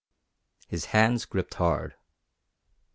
His hands gripped hard.